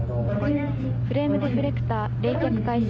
フレームデフレクター冷却開始。